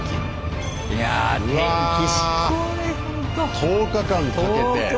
１０日かけて？